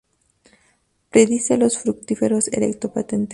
Pedicelos fructíferos erecto-patentes.